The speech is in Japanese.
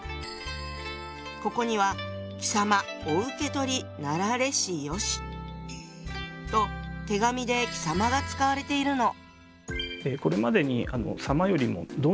ここには「貴様御受け取りなられしよし」と手紙で「貴様」が使われているの。